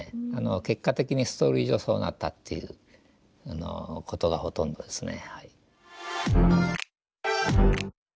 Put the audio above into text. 結果的にストーリー上そうなったっていうことがほとんどですね。